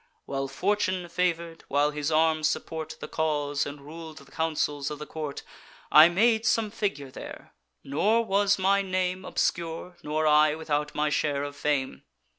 While Fortune favour'd, while his arms support The cause, and rul'd the counsels, of the court, I made some figure there; nor was my name Obscure, nor I without my share of fame.